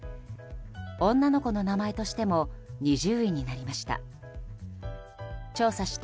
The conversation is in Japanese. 女の子の名前としても２０位になりました。